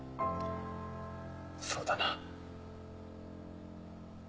そうだな。